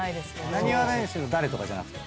なにわ男子の誰とかじゃなくて？